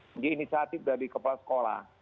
jadi inisiatif dari kepala sekolah